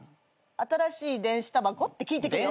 新しい電子たばこ？」って聞いてくるよ。